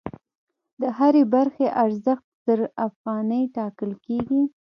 د هرې برخې ارزښت زر افغانۍ ټاکل کېږي